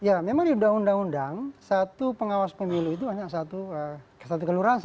ya memang di undang undang satu pengawas pemilu itu hanya satu kelurahan